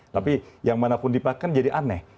tapi yang manapun dipakai jadi aneh